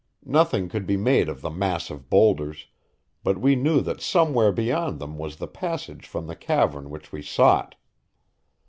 Nothing could be made of the mass of boulders, but we knew that somewhere beyond them was the passage from the cavern which we sought.